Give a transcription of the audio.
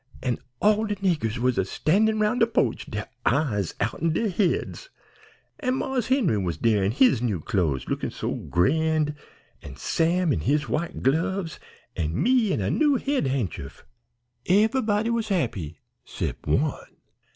An' all de niggers was a standin' 'roun' de po'ch, dere eyes out'n dere heads, an' Marse Henry was dere in his new clo'es lookin' so grand, an' Sam in his white gloves, an' me in a new head han'chief. "Eve'body was happy 'cept one.